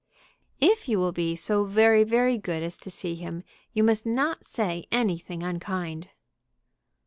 "If you will be so very, very good as to see him you must not say anything unkind."